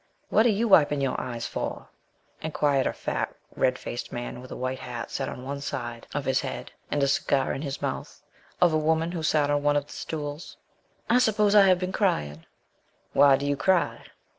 "What are you wiping your eyes for?" inquired a fat, red faced man, with a white hat set on one side of his head, and a cigar in his mouth, of a woman who sat on one of the stools. "I s'pose I have been crying." "Why do you cry?"